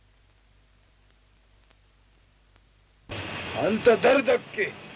あんた誰だっけ？